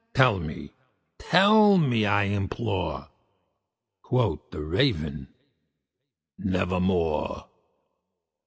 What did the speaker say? tell me tell me, I implore!" Quoth the Raven, "Nevermore."